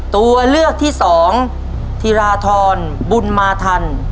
ตัวเลือกที่สองธิราธรบุญมาทัน